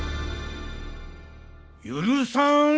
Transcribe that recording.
許さん。